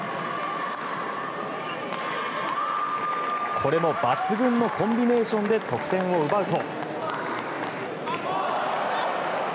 これも抜群のコンビネーションで得点を奪うと。